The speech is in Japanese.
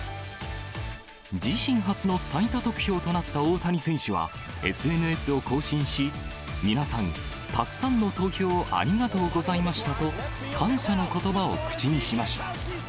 自身初の最多得票となった大谷選手は、ＳＮＳを更新し、皆さん、たくさんの投票ありがとうございましたと、感謝のことばを口にしました。